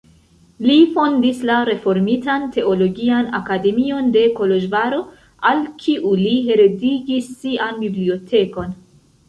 Li fondis la reformitan teologian akademion de Koloĵvaro, al kiu li heredigis sian bibliotekon.